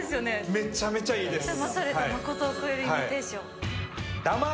めちゃめちゃいいです。